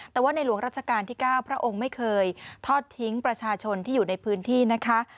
แต่ว่าในหลวงรัชกาลที่๙พระองค์ไม่เคยทอดทิ้งประชาชนที่อยู่ในพื้นที่นะคะ